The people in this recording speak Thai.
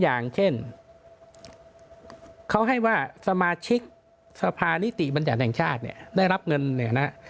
อย่างเช่นเขาให้ว่าสมาชิกสภานิติบัญญัติแห่งชาติเนี่ยได้รับเงินเนี่ยนะ